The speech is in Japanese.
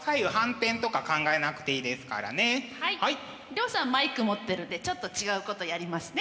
涼さんマイク持ってるんでちょっと違うことやりますね。